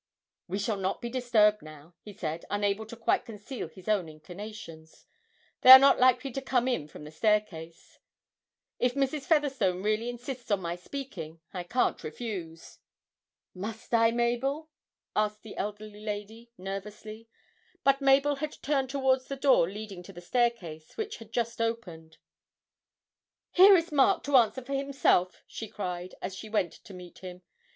'We shall not be disturbed now,' he said, unable to quite conceal his own inclinations: 'they are not likely to come in from the staircase. If Mrs. Featherstone really insists on my speaking, I can't refuse.' 'Must I, Mabel?' asked the elderly lady, nervously; but Mabel had turned towards the door leading to the staircase, which had just opened. 'Here is Mark to answer for himself!' she cried, as she went to meet him.